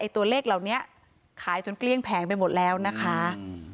ตัวเลขเหล่านี้ขายจนเกลี้ยงแผงไปหมดแล้วนะคะ